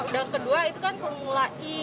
dan kedua itu kan formula e